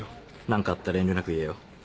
何かあったら遠慮なく言えよ。